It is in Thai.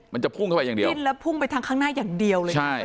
มันจะพุ่งเข้าไปอย่างเดียวดิ้นแล้วพุ่งไปทางข้างหน้าอย่างเดียวเลยใช่